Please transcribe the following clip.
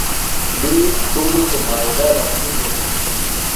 دوی ټولو په معاهده لاسلیک وکړ.